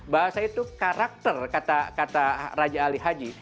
bahasa itu karakter kata raja ali haji